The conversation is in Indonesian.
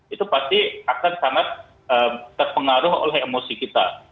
itu pasti akan sangat terpengaruh oleh emosi kita